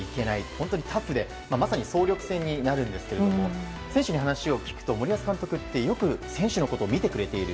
本当にタフでまさに総力戦になるんですが選手に話を聞くと森保監督って、よく選手のことを見てくれている。